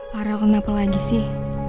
farel kenapa lagi sih